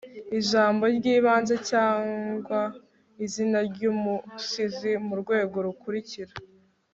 ijambo ryibanze cyangwa izina ryumusizi murwego rukurikira